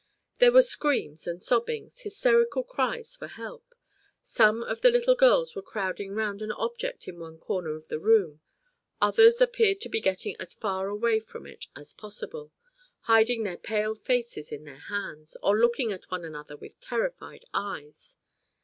There were screams and sobbings, hysterical cries for help; some of the little girls were crowding round an object in one corner of the room, others appeared to be getting as far away from it as possible, hiding their pale faces in their hands, or looking at one another with terrified eyes.